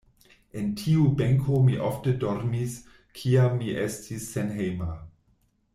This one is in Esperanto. En tiu benko mi ofte dormis kiam mi estis senhejma.